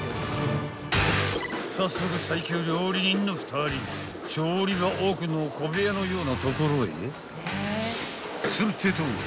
［早速最強料理人の２人調理場奥の小部屋のような所へ］